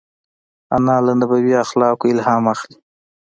انا له نبوي اخلاقو الهام اخلي